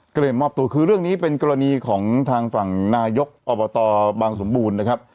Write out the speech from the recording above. ก็เลยมอบตัวคือเรื่องนี้เป็นกรณีของทางฝั่งนายกอบตบางสมบูรณ์นะครับ